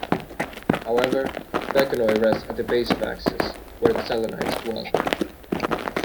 However, Vecanoi rests at the base of Axis, where the Selenites dwell.